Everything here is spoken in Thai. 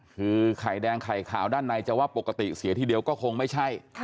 คือไข่แดงไข่ขาวด้านในจะว่าปกติเสียทีเดียวก็คงไม่ใช่